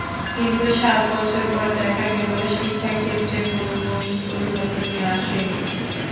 কিন্তু সাত বছর পর দেখা গেল শিক্ষাক্ষেত্রে কোনো মৌলিক পরিবর্তনই আসেনি।